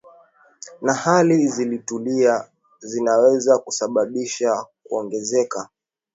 na hali zilizotulia zinaweza kusababisha kuongezeka